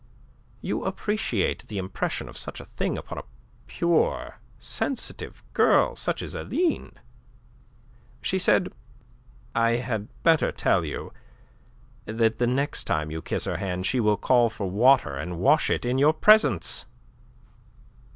You appreciate the impression of such a thing upon a pure, sensitive girl such as Aline. She said I had better tell you that the next time you kiss her hand, she will call for water and wash it in your presence."